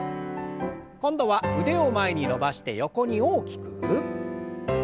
今度は腕を前に伸ばして横に大きく。